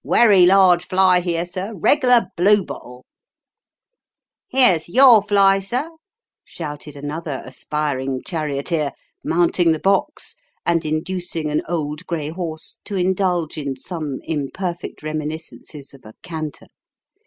" Werry large fly here, sir reg'lar bluebottle !"" Here's your fly, sir !" shouted another aspiring charioteer, mount ing the box, and inducing an old grey horse to indulge in some im Seaside Lodgings. 257 perfect reminiscences of a canter.